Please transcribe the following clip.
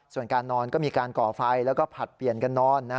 ส่วนการนอนก็มีการก่อไฟแล้วก็ผลัดเปลี่ยนกันนอน